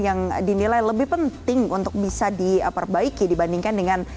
yang dinilai lebih penting untuk bisa diperbaiki dibandingkan dengan